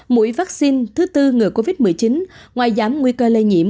mũi vaccine thứ tư ngừa covid một mươi chín ngoài giảm nguy cơ lây nhiễm